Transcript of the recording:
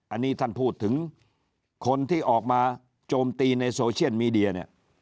อันนี้ท่านพูดถึงคนที่ออกมาโจมตีในโซเชียลมีเดียเนี่ย